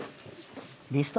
「リスト」？